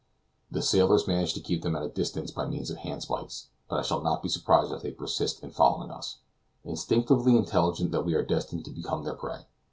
The sailors manage to keep them at a distance by means of handspikes, but I shall not be surprised if they persist in following us, instinctively intelligent that we are destined to become their prey.